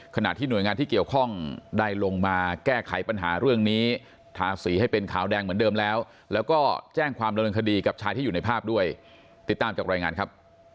ขณะที่หน่วยงานที่เกี่ยวข้องได้ลงมาแก้ไขปัญหาเรื่องนี้ทาสีให้เป็นขาวแดงเหมือนเดิมแล้วแล้วก็แจ้งความดำเนินคดีกับชายที่อยู่ในภาพด้วยติดตามจากรายงานครับ